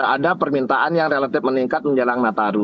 ada permintaan yang relatif meningkat menjelang nataru